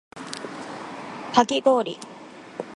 かき氷